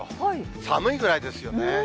寒いぐらいですよね。